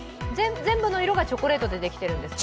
全部の色がチョコレートでできているんですか？